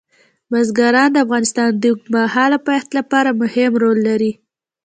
بزګان د افغانستان د اوږدمهاله پایښت لپاره مهم رول لري.